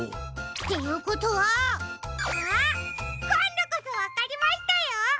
っていうことはあっこんどこそわかりましたよ！